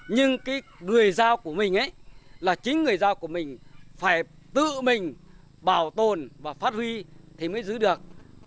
nhưng cái người giao của mình ấy là chính người giao của mình phải tự mình bảo tồn và phát huy thì mới giữ được